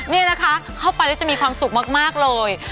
นี่นะคะเข้าไปแล้วจะมีความสุขมากเลย